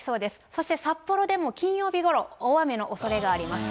そして、札幌でも金曜日ごろ、大雨のおそれがあります。